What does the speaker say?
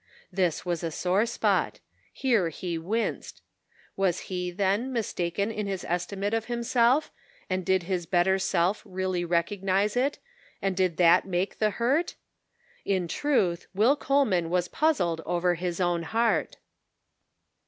This was a sore spot; here he winced. Was he, then, mistaken in his estimate of himself, and did his better self really recognize it, and did that make the hurt? In truth, Will Coleman was puzzled over his own heart